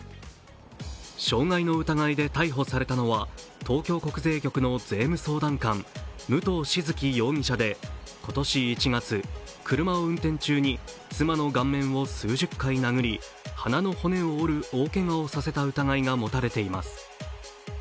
傷害の疑いで逮捕されたのは東京国税局の税務相談官武藤静城容疑者で今年１月、車を運転中に妻の顔面を数十回殴り、鼻の骨を折る大けがをさせた疑いが持たれています。